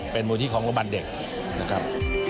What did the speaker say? เป็นมูลนิธิของระบันเด็กนะครับ